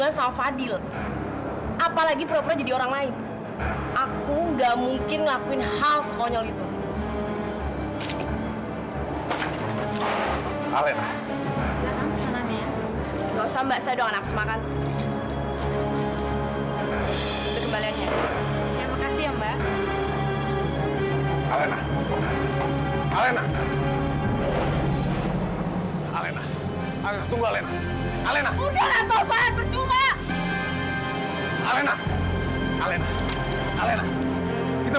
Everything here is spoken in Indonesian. lagi lagi yang mau nikah waktu itu